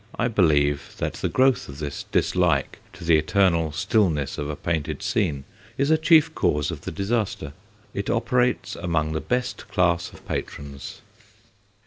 I believe that the growth of this dislike to the eternal stillness of a painted scene is a chief cause of the disaster. It operates among the best class of patrons.